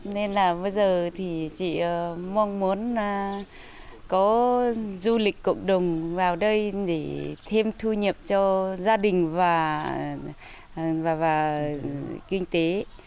nên là bây giờ thì chị mong muốn có du lịch cộng đồng vào đây để thêm thu nhập cho gia đình và kinh tế